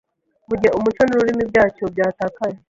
mu gihe umuco n’ururimi byacyo byatakaye